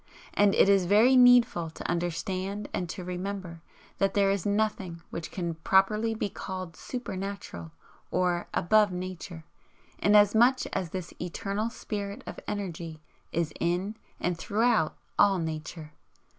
And it is very needful to understand and to remember that there is nothing which can properly be called SUPER natural, or above Nature, inasmuch as this Eternal Spirit of Energy is in and throughout all Nature.